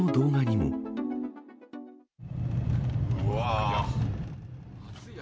うわー。